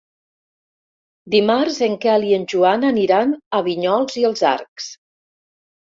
Dimarts en Quel i en Joan aniran a Vinyols i els Arcs.